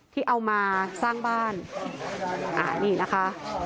ที่เอามาสร้างบ้านอ่านี่นะคะ